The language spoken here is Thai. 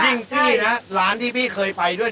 ยิ่งพี่นะร้านที่พี่เคยไปด้วยเนี่ย